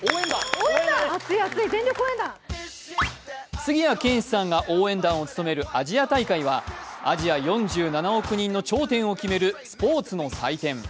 杉谷拳士さんが応援団を務めるアジア大会は、アジア４７億人の頂点を決めるスポーツの祭典。